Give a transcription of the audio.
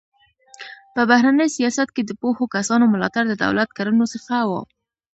په بهرني سیاست کې د پوهو کسانو ملاتړ د دولت کړنو څخه و.